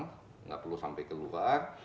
tidak perlu sampai keluar